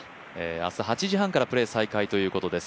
明日８時３０分からプレー再開ということです。